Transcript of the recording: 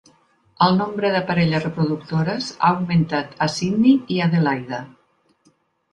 El nombre de parelles reproductores ha augmentat a Sidney i Adelaida.